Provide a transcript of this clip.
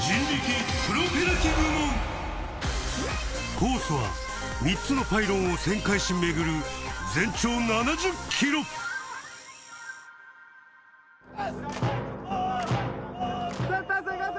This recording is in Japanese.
コースは３つのパイロンを旋回し巡る全長７０ｋｍおお！